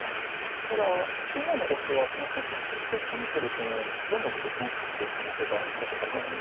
ただ中央の５子は黒の石を攻めてるうちにどんどん強くなっていく可能性が結構高いんです。